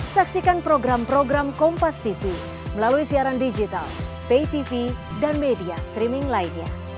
saksikan program program kompastv melalui siaran digital paytv dan media streaming lainnya